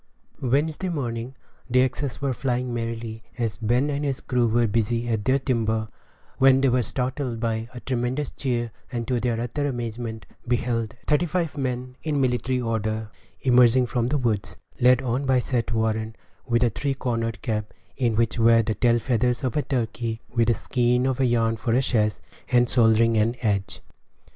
Wednesday morning the axes were flying merrily, as Ben and his crew were busy at their timber, when they were startled by a tremendous cheer, and, to their utter amazement, beheld thirty five men, in military order, emerging from the woods, led on by Seth Warren, with a three cornered cap, in which were the tail feathers of a turkey, with a skein of yarn for a sash, and shouldering an adze.